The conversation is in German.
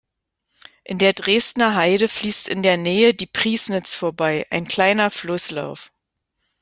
In der Dresdner Heide fließt in der Nähe die Prießnitz vorbei, ein kleiner Flusslauf.